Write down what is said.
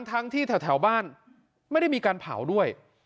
ทั้งที่แถวบ้านไม่ได้มีการเผาด้วย